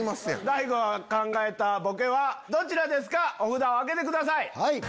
大悟が考えたボケはどちらですか札を挙げてください。